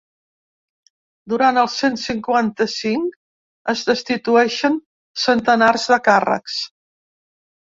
Durant el cent cinquanta-cinc es destitueixen centenars de càrrecs.